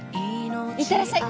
行ってらっしゃい！